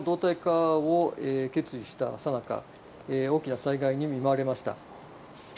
このＳＬのどうたいかを決意したさなか、大きな災害に見舞われました。